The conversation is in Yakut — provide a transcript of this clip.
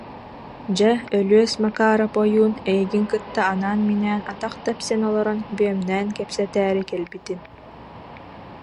Дьэ, Өлүөс Макаарап ойуун, эйигин кытта анаан-минээн, атах тэпсэн олорон бүөмнээн кэпсэтээри кэлбитим